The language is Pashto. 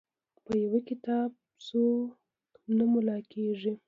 په یو کتاب څوک نه ملا کیږي.